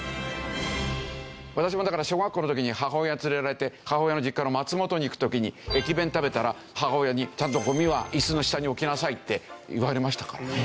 私もだから小学校の時に母親に連れられて母親の実家の松本に行く時に駅弁食べたら母親に「ちゃんとゴミはイスの下に置きなさい」って言われましたから。